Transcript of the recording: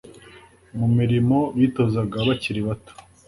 Mu mirimo bitozaga bakiri bato